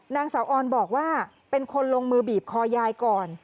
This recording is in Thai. นางสาวออนบอกว่าเป็นคนลงมือบีบคอยายก่อน